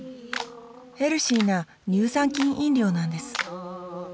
ヘルシーな乳酸菌飲料なんです